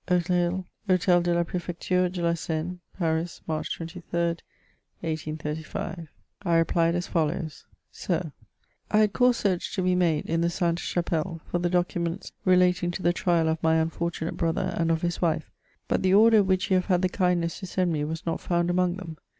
" Hotel de la Prefecture de la Seine. "Paris, March 23rd, 1835." I replied as follows :— «SlB, '^ I had caused search to be made in the Sainte Chapelle for the documents relating to the trial of my unfortunate brother and of his wife, but the order which you have had the kindness to send me was not found among them.